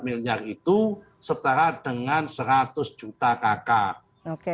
dua empat miliar itu setara dengan seratus juta kakak